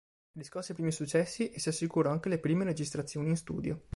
Riscosse i primi successi e si assicurò anche le prime registrazioni in studio.